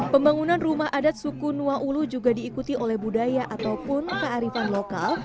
pembangunan rumah adat suku nuwa ulu juga diikuti oleh budaya ataupun kearifan lokal